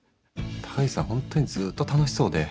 高岸さん、本当にずーっと楽しそうで。